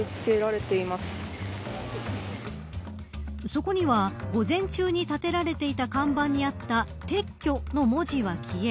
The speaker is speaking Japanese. そこには午前中にたてられていた看板にあった撤去の文字は消え